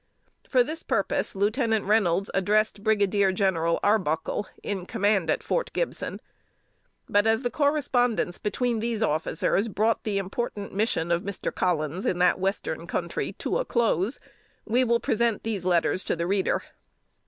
For this purpose, Lieutenant Reynolds addressed Brigadier General Arbuckle, in command at Fort Gibson; but, as the correspondence between these officers brought the important mission of Mr. Collins in that Western Country to a close, we will present these letters to the reader.